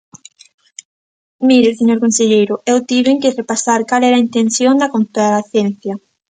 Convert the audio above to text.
Mire, señor conselleiro, eu tiven que repasar cal era a intención da comparecencia.